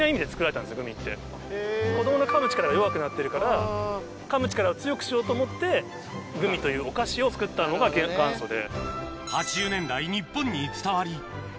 子供のかむ力が弱くなってるからかむ力を強くしようと思ってグミというお菓子を作ったのが元祖で。